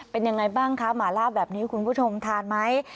เป็นยังไงบ้างคะหมาล่าแบบนี้คุณผู้ชมทานไหม